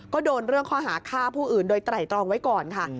ก็โดนเรื่องข้อหาฆ่าผู้อื่นโดยไตรตรองไว้ก่อนค่ะ